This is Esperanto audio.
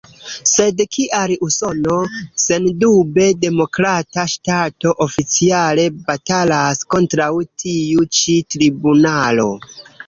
Sed kial Usono, sendube demokrata ŝtato, oficiale batalas kontraŭ tiu ĉi tribunalo?